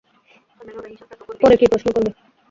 পরে কী প্রশ্ন করবে?